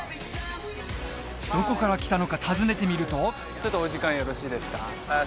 どこから来たのか尋ねてみるとちょっとお時間よろしいですか？